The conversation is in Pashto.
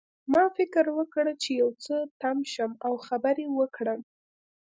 ما فکر وکړ چې یو څه تم شم او خبرې وکړم